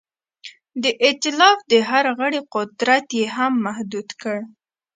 د ایتلاف د هر غړي قدرت یې هم محدود کړ.